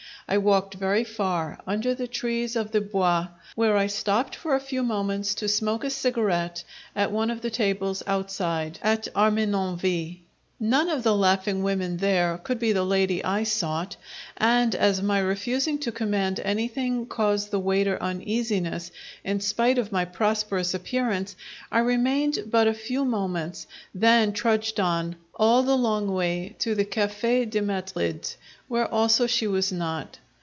I walked very far, under the trees of the Bois, where I stopped for a few moments to smoke a cigarette at one of the tables outside, at Armenonville. None of the laughing women there could be the lady I sought; and as my refusing to command anything caused the waiter uneasiness, in spite of my prosperous appearance, I remained but a few moments, then trudged on, all the long way to the Cafe' de Madrid, where also she was not.